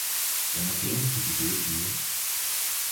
jeg må tænke på de døde piger!